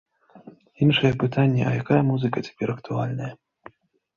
Іншае пытанне, якая музыка цяпер актуальная.